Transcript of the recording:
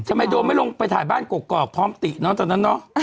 โดมไม่ลงไปถ่ายบ้านกรอกพร้อมติเนอะตอนนั้นเนอะ